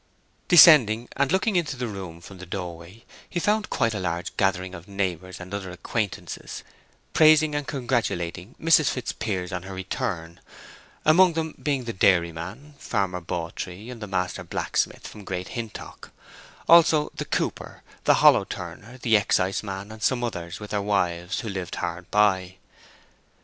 Descending, and looking into the room from the door way, he found quite a large gathering of neighbors and other acquaintances, praising and congratulating Mrs. Fitzpiers on her return, among them being the dairyman, Farmer Bawtree, and the master blacksmith from Great Hintock; also the cooper, the hollow turner, the exciseman, and some others, with their wives, who lived hard by.